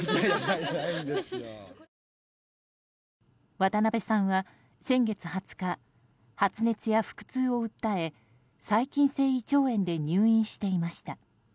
渡辺さんは先月２０日発熱や腹痛を訴え細菌性胃腸炎で入院していました。